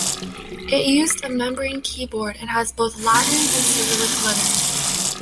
It used a membrane keyboard and has both Latin and Cyrillic letters.